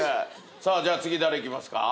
さあじゃあ次誰いきますか？